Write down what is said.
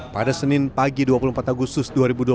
pada senin pagi dua puluh empat agustus dua ribu dua puluh